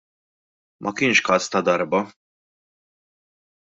Ma kienx każ ta' darba.